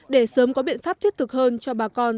để sớm có biện pháp thiết thực hơn cho bà con